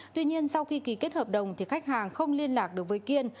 tuy nhiên sau khi ký kết hợp đồng khách hàng không liên lạc được với kiên